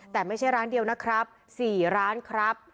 แต่ไม่ใช่ร้านเดียวนะครับ๔ร้านครับ